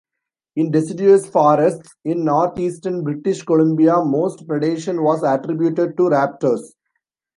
In deciduous forests in northeastern British Columbia, most predation was attributed to raptors.